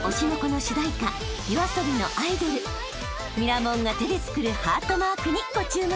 ［ミラモンが手でつくるハートマークにご注目］